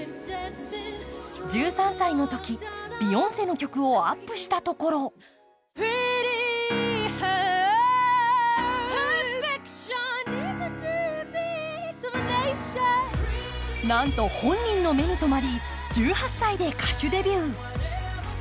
１３歳のとき、ビヨンセの曲をアップしたところなんと本人の目に留まり１８歳で歌手デビュー。